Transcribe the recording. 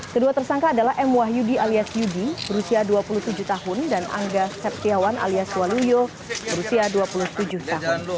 kedua tersangka adalah m wahyudi alias yudi berusia dua puluh tujuh tahun dan angga septiawan alias waluyo berusia dua puluh tujuh tahun